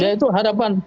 ya itu harapan